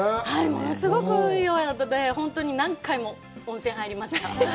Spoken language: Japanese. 物すごくいいお宿で、本当に何回も温泉に入りました。